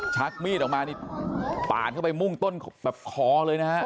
ชักมีดออกมานี่ปาดเข้าไปมุ่งต้นแบบคอเลยนะฮะ